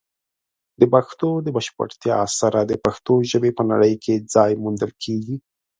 د پښتو د بشپړتیا سره، د پښتو ژبې په نړۍ کې ځای موندل کیږي.